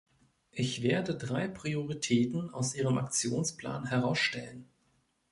Ich werde drei Prioritäten aus Ihrem Aktionsplan herausstellen.